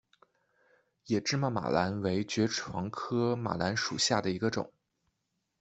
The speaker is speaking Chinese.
野芝麻马蓝为爵床科马蓝属下的一个种。